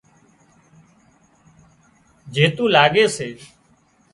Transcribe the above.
جيتُو لاڳي سي